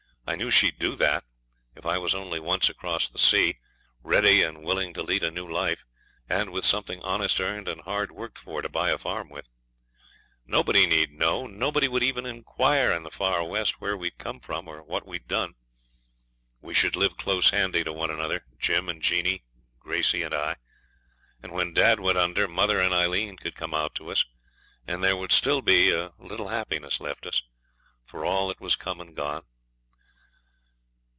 I knew she'd do that, if I was only once across the sea, ready and willing to lead a new life, and with something honest earned and hard worked for to buy a farm with. Nobody need know. Nobody would even inquire in the far West where we'd come from or what we'd done. We should live close handy to one another Jim and Jeanie, Gracey and I and when dad went under, mother and Aileen could come out to us; and there would still be a little happiness left us, for all that was come and gone.